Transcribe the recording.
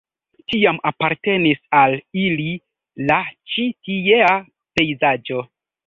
Tiam apartenis al ili la ĉi tiea pejzaĝo.